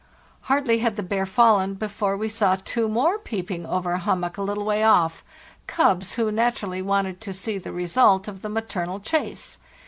" Hardly had the bear fallen before we saw two more peeping over a hummock a little way off —cubs, who naturally wanted to see the result of the maternal chase.